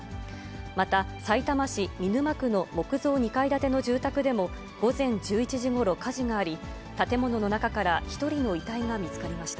また、さいたま市見沼区の木造２階建ての住宅でも、午前１１時ごろ火事があり、建物の中から１人の遺体が見つかりました。